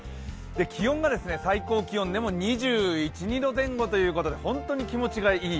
気温が最高気温でも２１２２度前後ということでホントに気持ちがいい。